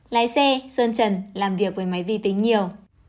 lái xe sơn trần làm việc với máy vi tính nhiều